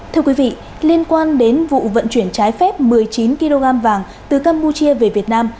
thưa quý vị liên quan đến vụ vận chuyển trái phép một mươi chín kg vàng từ campuchia về việt nam